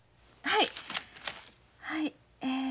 はいはいえ